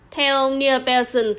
theo ông neil pelson